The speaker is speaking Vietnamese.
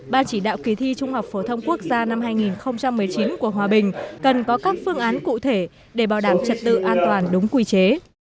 ban chỉ đạo kỳ thi trung học phổ thông quốc gia năm hai nghìn một mươi chín của hòa bình cần có các phương án cụ thể để bảo đảm trật tự an toàn đúng quy chế